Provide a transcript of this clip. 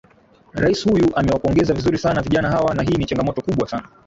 rais huyu amewapongeza vizuri sana vijana hawa na hii ni changamoto kubwa sana